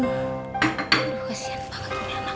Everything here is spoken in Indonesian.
aduh kasihan banget ini anak